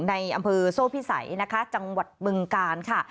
ในอำเภอโซ่พิสัยนะคะจังหวัดบึงกาลค่ะ